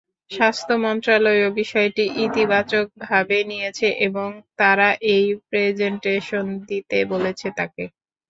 স্বাস্থ্য মন্ত্রণালয়ও বিষয়টি ইতিবাচকভাবে নিয়েছে এবং তারা একটি প্রেজেনটেশন দিতে বলেছে তাঁকে।